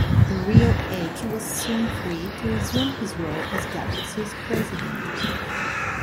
The real Edge was soon free to resume his role as Galaxy's president.